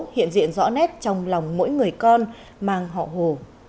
hiện diện rõ nét trong lòng mỗi người con mang họ hồ